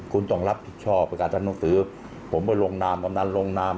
คุณต้องรับผิดชอบประกาศทำหนังสือผมก็ลงนามกำนันลงนาม